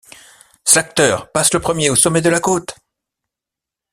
Slagter passe le premier au somment de la côte.